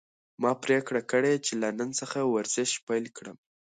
ما پریکړه کړې چې له نن څخه ورزش پیل کړم.